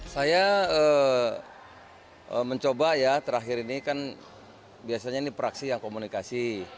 saya mencoba ya terakhir ini kan biasanya ini praksi yang komunikasi